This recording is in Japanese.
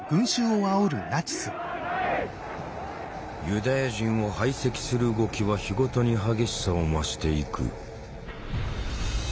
ユダヤ人を排斥する動きは日ごとに激しさを増していく。